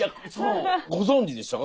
ご存じでしたか？